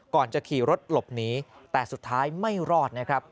ก่อนจะขี่รถหลบหนีแต่สุดท้ายไม่รอดนะครับ